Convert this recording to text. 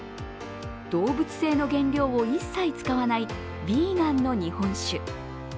動物性の原料を一切使わないヴィーガンの日本酒。